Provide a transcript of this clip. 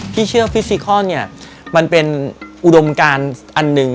พี่เชื่อว่าฟิซิคอลมันเป็นอุดมการอันหนึ่ง